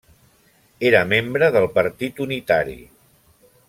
Era membre del Partit Unitari.